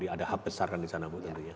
ada hub besar kan di sana bu tentunya